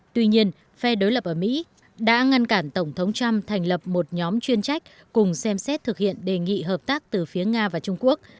tuy nhiên phe đối lập ở mỹ đã ngăn cản tổng thống trump thành lập một nhóm chuyên trách cùng xem xét thực hiện đề nghị hợp tác từ phía nga và trung quốc